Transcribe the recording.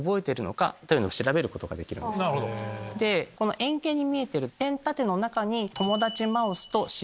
円形に見えてるペン立ての中に。